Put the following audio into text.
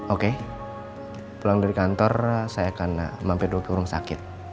oke pulang dari kantor saya akan mampir di ruang sakit